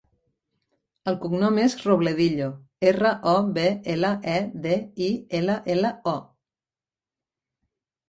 El cognom és Robledillo: erra, o, be, ela, e, de, i, ela, ela, o.